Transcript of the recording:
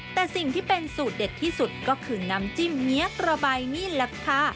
แต่สิ่งที่เป็นสูตรเด็ดที่สุดก็คือน้ำจิ้มเงี้ยกระใบนี่แหละค่ะ